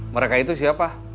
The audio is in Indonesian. mereka itu siapa